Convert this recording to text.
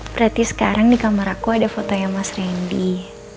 berarti sekarang di kamar aku ada fotonya mas randy